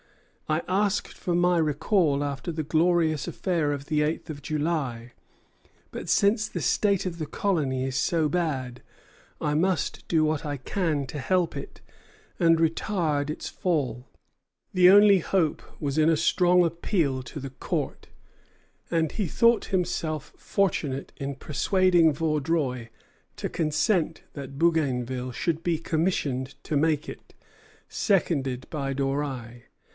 "I asked for my recall after the glorious affair of the eighth of July; but since the state of the colony is so bad, I must do what I can to help it and retard its fall." The only hope was in a strong appeal to the Court; and he thought himself fortunate in persuading Vaudreuil to consent that Bougainville should be commissioned to make it, seconded by Doreil.